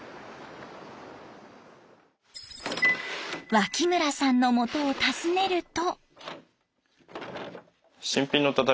脇村さんのもとを訪ねると。